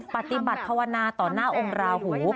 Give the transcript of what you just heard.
ปฏิบัติภาวนาต่อหน้าองค์ราหู